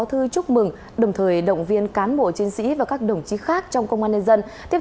thư chúc mừng đồng thời động viên cán bộ chiến sĩ và các đồng chí khác trong công an nhân dân tiếp